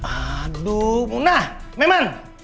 aduh munah meman